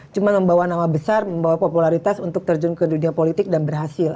cuma membawa nama besar membawa popularitas untuk terjun ke dunia politik dan berhasil